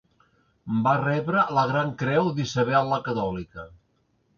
Va rebre la Gran Creu d'Isabel la Catòlica.